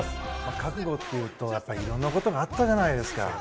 覚悟というと色んなことがあったじゃないですか。